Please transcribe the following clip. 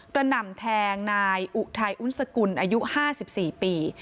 หน่ำแทงนายอุทัยอุ้นสกุลอายุ๕๔ปี